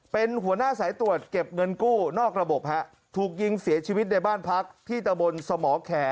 เป็นหัวหน้าสายตรวจเก็บเงินกู้นอกระบบฮะถูกยิงเสียชีวิตในบ้านพักที่ตะบนสมแข่